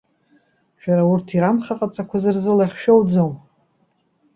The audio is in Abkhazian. Шәара урҭ ирамхаҟаҵақәаз рзы лахь шәоуӡом.